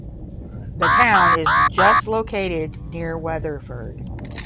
The town is just located near Weatherford.